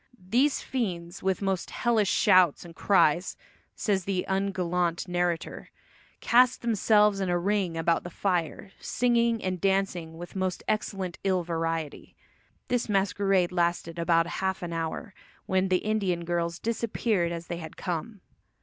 "These fiends, with most hellish shouts and cries," says the ungallant narrator, "cast themselves in a ring about the fire, singing and dancing with most excellent ill variety." This masquerade lasted about half an hour, when the Indian girls disappeared as they had come.